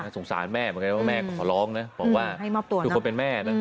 สงสารแม่เพราะแม่ขอร้องนะบอกว่าทุกคนเป็นแม่นะ